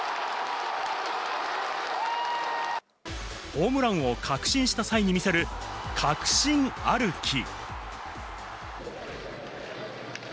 ホームランを確信した際に見せる確信歩き。